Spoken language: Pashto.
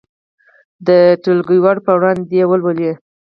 د ټولګیوالو په وړاندې دې ولولي.